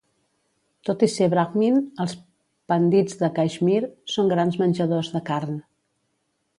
Tot i ser Brahmin, els Pandits de Caixmir són grans menjadors de carn.